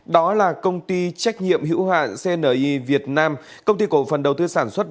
đó là công ty trách nhiệm hữu hạn cni việt nam công ty cổ phần đầu tư sản xuất